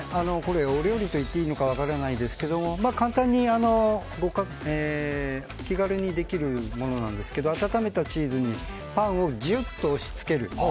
お料理と言っていいのか分からないですけども簡単に気軽にできるものなんですが温めたチーズにパンをジュッと押し付ける。